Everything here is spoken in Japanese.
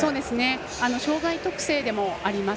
障がい特性でもあります。